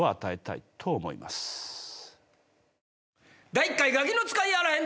第１回ガキの使いやあらへんで！